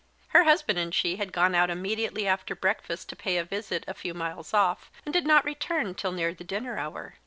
Her husband and she had gone out immediately after breakfast to pay a visit a few miles off, and did not return till near the dinner hour.